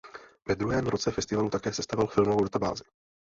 Ve druhém roce festivalu také sestavil filmovou databázi.